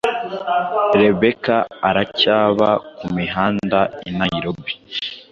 rebecca aracyaba ku mihanda i nairobi